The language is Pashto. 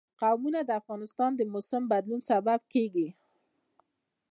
قومونه د افغانستان د موسم د بدلون سبب کېږي.